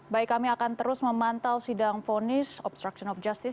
baik kami akan terus memantau sidang fonis obstruction of justice